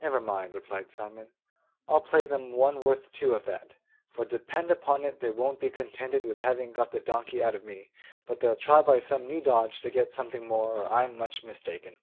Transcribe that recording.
'Never mind,' replied Simon, 'I'll play them one worth two of that; for depend upon it they won't be contented with having got the donkey out of me, but they'll try by some new dodge to get something more, or I'm much mistaken.